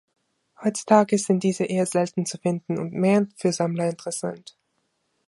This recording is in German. Heutzutage sind diese eher selten zu finden und mehr für Sammler interessant.